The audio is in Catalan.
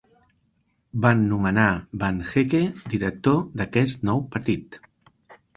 Van nomenar Vanhecke director d'aquest nou partit.